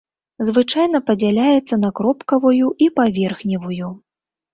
Звычайна падзяляецца на кропкавую і паверхневую.